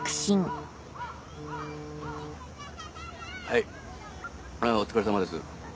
はいあぁお疲れさまです。